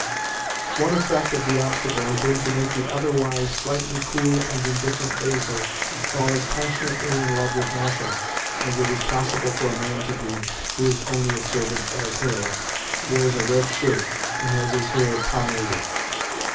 One effect of the obstacle had been to make the otherwise slightly cool and indifferent Basil fall as passionately in love with Masha as it is possible for a man to be who is only a servant and a tailor, wears a red shirt, and has his hair pomaded.